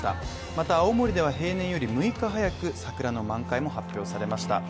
また青森では平年より６日早く、桜の満開も発表されました。